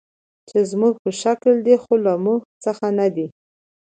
چې زموږ په شکل دي، خو له موږ څخه نه دي.